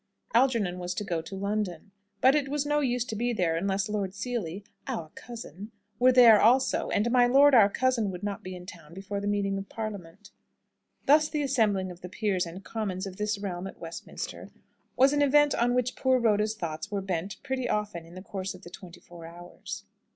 Algernon was to go to London, but it was no use to be there unless Lord Seely, "our cousin," were there also; and my lord our cousin would not be in town before the meeting of parliament. Thus the assembling of the peers and commons of this realm at Westminster was an event on which poor Rhoda's thoughts were bent pretty often in the course of the twenty four hours.